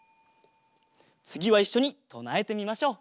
つぎはいっしょにとなえてみましょう。